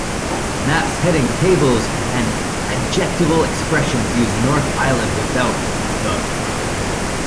Maps, headings, tables and adjectival expressions use North Island without "the".